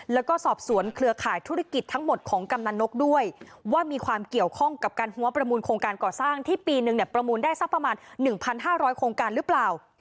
แล้วก็สอบสวนเครือข่ายธุรกิจทั้งหมดของกำนันนกด้วยว่ามีความเกี่ยวข้องกับการหัวประมูลโครงการก่อสร้างที่ปีนึงเนี่ยประมูลได้สักประมาณ๑๕๐๐โครงการหรือเปล่า